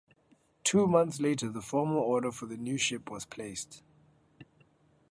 Two months later, the formal order for the new ship was placed.